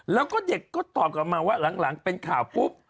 แล้วก็เด็กก็ตอบกลับมาว่าหลังเป็นข่าวปุ๊บ